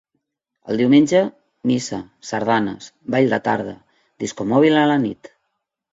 El diumenge, missa, sardanes, ball de tarda, discomòbil a la nit.